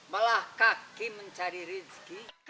malah kaki mencari rizki